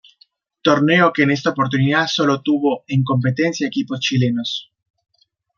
Torneo que en esta oportunidad sólo tuvo en competencia equipos chilenos.